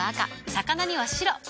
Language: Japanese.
魚には白。